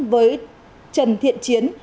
với trần thiện chiến